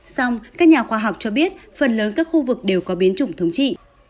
xong các nhà khoa học cho biết phần lớn các khu vực đều có biến chủng thống trị